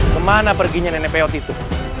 kemana perginya nenek peot itu